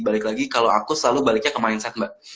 balik lagi kalau aku selalu baliknya ke mindset mbak